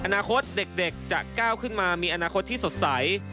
อนาคตเด็กจะก้าวขึ้นมามีอนาคตที่สดใส